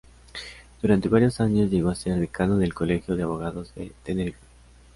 Durante varios años llegó a ser decano del Colegio de abogados de Tenerife.